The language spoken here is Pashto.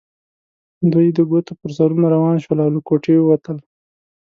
دوی د ګوتو پر سرونو روان شول او له کوټې ووتل.